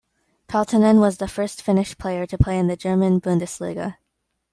Peltonen was the first Finnish player to play in the German Bundesliga.